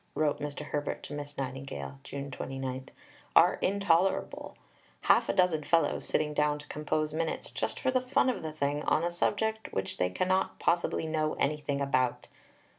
wrote Mr. Herbert to Miss Nightingale (June 29), "are intolerable half a dozen fellows sitting down to compose Minutes just for the fun of the thing on a subject which they cannot possibly know anything about!